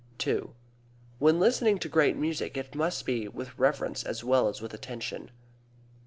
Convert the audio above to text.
II. When listening to great music it must be with reverence as well as with attention.